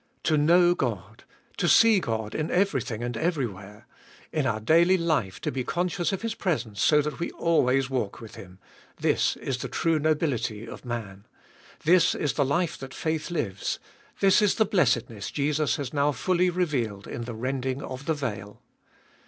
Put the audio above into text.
To know God, to see God in everything and every where, in our daily life to be conscious of His presence so that we always walk with Him — this is the true nobility of man ; this is the life that faith lives ; this is the blessedness Jesus has now fully revealed in the rending of the veil.